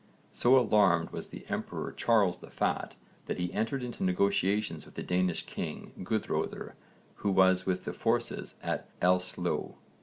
So alarmed was the emperor Charles the Fat that he entered into negotiations with the Danish king Guðröðr who was with the forces at Elsloo.